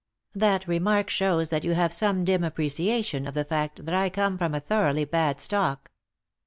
" That remark shows that you have some dim appre ciation of the fact that I come of a thoroughly bad stock."